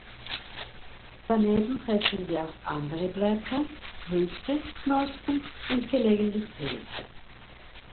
Daneben fressen sie auch andere Blätter, Früchte, Knospen und gelegentlich Pilze.